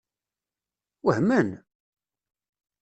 Wehmen?